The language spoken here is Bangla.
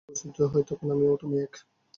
কিন্তু যখন আত্মবুদ্ধি হয়, তখন আমি ও তুমি এক।